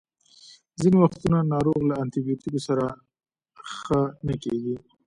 ځینې وختونه ناروغ له انټي بیوټیکو سره سره ښه نه کیږي.